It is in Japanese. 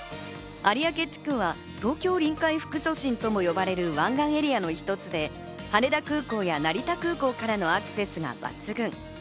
有明地区は東京臨海副都心とも呼ばれる湾岸エリアの一つで、羽田空港や成田空港からのアクセスが抜群。